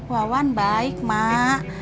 wawan baik mak